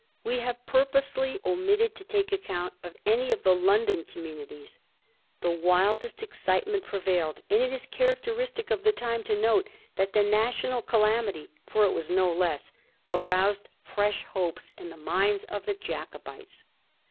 We have purposely omitted to take account of any of the London communities. The wildest excitement pre vailed ; and it is characteristic of the time to note that the national calamity — for it was no less — aroused fresh hopes in the minds of the Jacobites.